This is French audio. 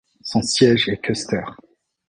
Son siège est Custer.